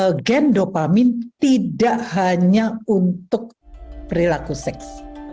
kenapa gen dopamin tidak hanya untuk perilaku seks